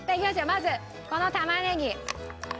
まずこの玉ねぎ。